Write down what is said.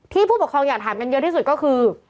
ผู้ปกครองอยากถามกันเยอะที่สุดก็คือ